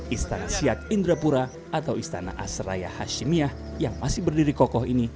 istana siak indrapura atau istana asraya hashimiyah yang masih berdiri kokoh ini